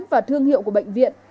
và thương hiệu của bệnh viện